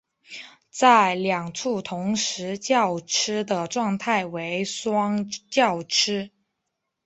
在两处同时叫吃的状态为双叫吃。